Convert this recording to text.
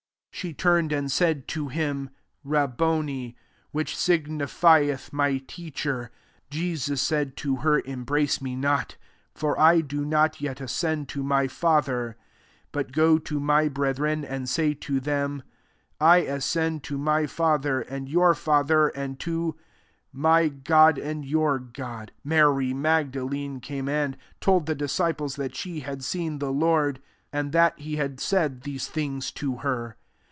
She turned, and said to him, « Rabboni." Which signifieth. My Teacher. 17 Jesus said to her, " Embrace me not : for I do not yet ascend to my Father: but go to my brethren, jand say to tbem^ * I ascend to my Fa ther and your Father, and to my God and your God."' 18 Mary Magdalene came and told the disciples that she had seen the Lord, and that he had said these things to her.